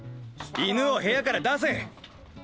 犬を部屋から出せ！